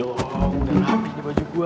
udah rapi di baju gue